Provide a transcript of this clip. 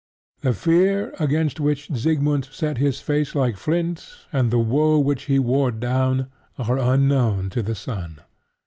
The fear against which Siegmund set his face like flint, and the woe which he wore down, are unknown to the son.